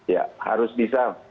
ya harus bisa